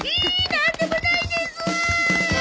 なんでもないです！